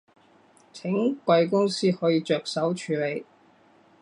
請貴公司可以着手處理